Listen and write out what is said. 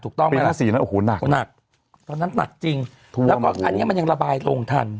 ถูกต้องไหมล่ะนักตอนนั้นหนักจริงแล้วก็อันนี้มันยังระบายลงทัน